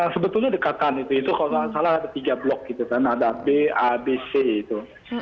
sebetulnya dekatan itu itu kalau tidak salah ada tiga blok gitu kan ada b a b c itu